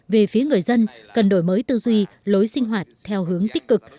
về phía người dân cần đổi mới tư duy lối sinh hoạt theo hướng tích cực